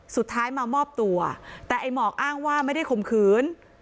สุดท้ายมามอบตัวแต่ไอ้หมอกอ้างว่าไม่ได้ข่มขืน